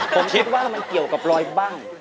ผมคิดว่ามันเกี่ยวกับรอยบ้าง